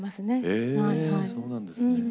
えそうなんですね。